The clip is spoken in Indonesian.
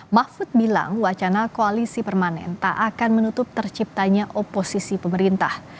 mahfud bilang wacana koalisi permanen tak akan menutup terciptanya oposisi pemerintah